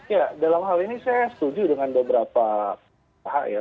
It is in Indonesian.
ya dalam hal ini saya setuju dengan beberapa hak ya